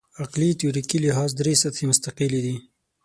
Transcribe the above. عقلي تیوریکي لحاظ درې سطحې مستقلې دي.